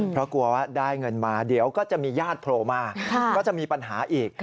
เพราะกลัวว่าได้เงินมาเดี๋ยวก็จะมีญาติโผล่มาก็จะมีปัญหาอีก